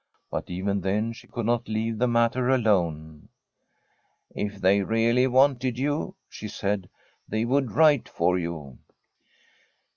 But even then she could not leave the matter alone. * If they really wanted you/ she said, ' they would write for you.'